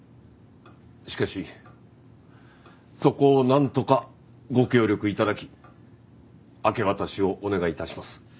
しかしそこをなんとかご協力頂き明け渡しをお願い致します。